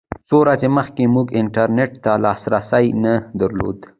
څو ورځې مخکې موږ انټرنېټ ته لاسرسی نه درلود.